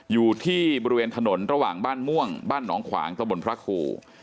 อยู่ที่บริเวณถนนระหว่างบ้านม่วงบ้านหนองขวางตะบนพระครู